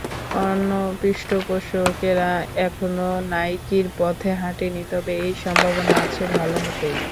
অন্য পৃষ্ঠপোষকেরা এখনো নাইকির পথে হাঁটেনি, তবে সেই সম্ভাবনা আছে ভালোমতোই।